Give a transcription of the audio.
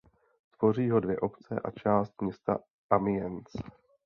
Tvoří ho dvě obce a část města Amiens.